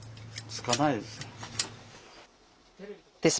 つかないです。